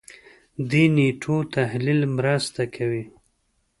دې نېټو تحلیل مرسته کوي.